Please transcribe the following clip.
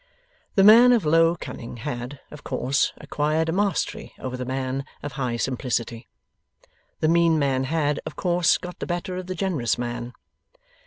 The man of low cunning had, of course, acquired a mastery over the man of high simplicity. The mean man had, of course, got the better of the generous man.